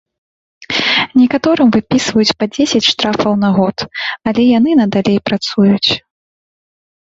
Некаторым выпісваюць па дзесяць штрафаў на год, але яны надалей працуюць.